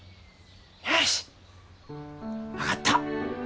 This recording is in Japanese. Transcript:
よし分かった。